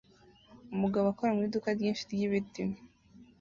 Umugabo akora mu iduka ryinshi ryibiti